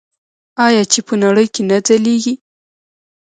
آیا چې په نړۍ کې نه ځلیږي؟